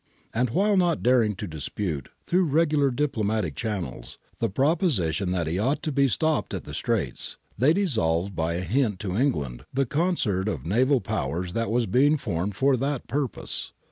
And while not daring to dispute, through regular diplo matic channels, the proposition that he ought to be stopped at the Straits, they dissolved by a hint to Eng land the concert of naval Powers that was being formed for that purpose.